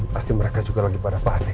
pasti mereka juga lagi pada panik